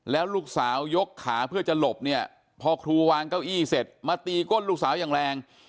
แล้วลูกสาวยกขาเพื่อจะหลบเนี่ยพอครูวางเก้าอี้เสร็จมาตีก้นลูกสาวอย่างแรง